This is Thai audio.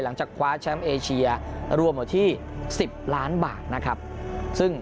หลังจากคว้าแชมป์เอเชียรวมอยู่ที่๑๐ล้านบาทนะครับซึ่ง